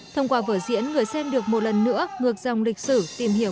thông qua vở diễn người xem được một lần nữa ngược dòng lịch sử tìm hiểu